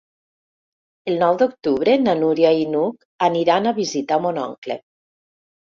El nou d'octubre na Núria i n'Hug aniran a visitar mon oncle.